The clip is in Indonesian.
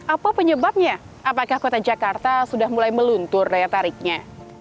apa penyebabnya apakah kota jakarta sudah mulai meluntur daya tariknya